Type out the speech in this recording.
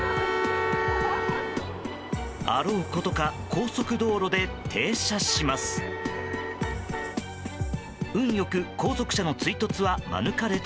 あろうことか高速道路で停車しました。